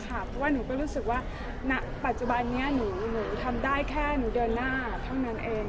เพราะว่าหนูก็รู้สึกว่าณปัจจุบันนี้หนูทำได้แค่หนูเดินหน้าเท่านั้นเอง